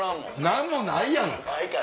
何もないやんか！